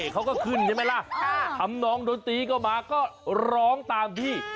เขาก็ขึ้นใช่ไหมล่ะทำนองดนตรีก็มาก็ร้องตามพี่